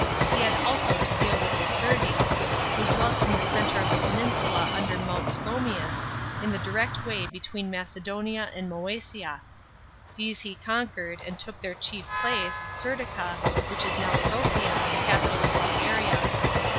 He had also to deal with the Serdi, who dwelt in the centre of the peninsula under Mount Scomius, in the direct way between Macedonia and Moesia. These he conquered, and took their chief place, Seidica, which is now SoHa, the capital of Bulgaria.